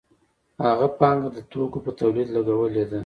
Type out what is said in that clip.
هغه پانګه د توکو په تولید لګولې ده